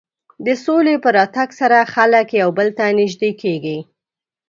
د سولې په راتګ سره خلک یو بل ته نژدې کېږي.